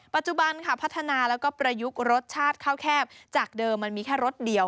ปัจจุบันค่ะพัฒนาแล้วก็ประยุกต์รสชาติข้าวแคบจากเดิมมันมีแค่รสเดียว